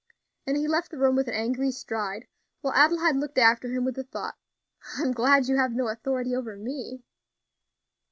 And he left the room with an angry stride, while Adelaide looked after him with the thought, "I am glad you have no authority over me."